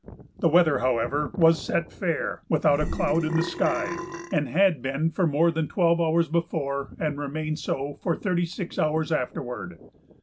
The weather, however, was set fair, without a cloud in the sky, and had been for more than twelve hours before and remained so for thirty six hours afterward.